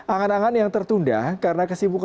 angan angan yang tertunda karena kesibukan